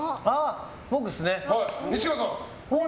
僕ですね。